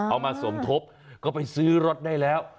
เอามาสมทบก็ไปซื้อรถได้แล้ว